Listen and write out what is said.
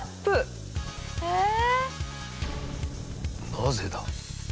なぜだ？